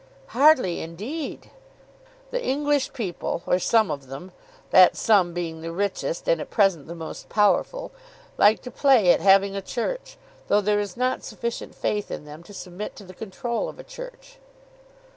"Hardly, indeed." "The English people, or some of them, that some being the richest, and, at present, the most powerful, like to play at having a Church, though there is not sufficient faith in them to submit to the control of a Church."